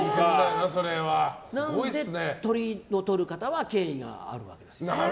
なので、トリをとる方は権威があるわけです。